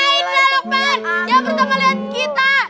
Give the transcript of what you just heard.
indra luqman yang pertama liat kita